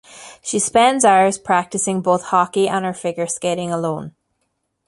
She spends hours practicing both hockey and her figure skating alone.